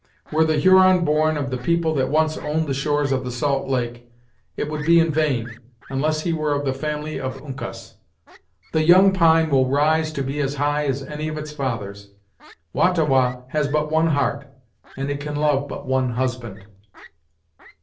Were the Huron born of the people that once owned the shores of the salt lake, it would be in vain, unless he were of the family of Uncas. The young pine will rise to be as high as any of its fathers. Wah ta Wah has but one heart, and it can love but one husband."